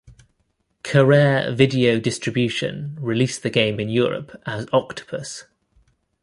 Carrere Video Distribution released the game in Europe as Octopus.